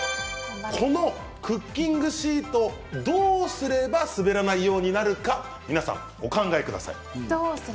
このクッキングシートをどうすれば滑らないようになるかお考えください。